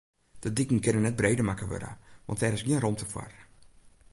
De diken kinne net breder makke wurde, want dêr is gjin romte foar.